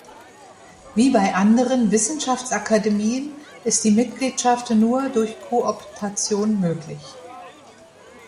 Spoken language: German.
Wie bei anderen Wissenschaftsakademien ist die Mitgliedschaft nur durch Kooptation möglich.